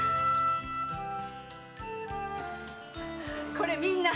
これみんな！